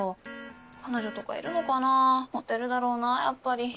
彼女とかいるのかなぁモテるだろうなやっぱり。